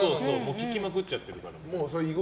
聴きまくっちゃってるから。